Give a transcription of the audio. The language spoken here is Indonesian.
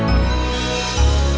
ya udah om baik